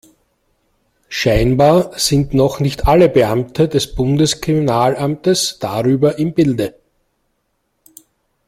Scheinbar sind noch nicht alle Beamte des Bundeskriminalamtes darüber im Bilde.